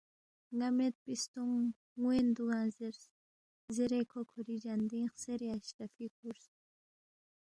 ن٘ا میدپی ستونگ ن٘وین دوگنگزیرس، زیرے کھو کُھوری جندِنگ خسیری اشرفی کُھورس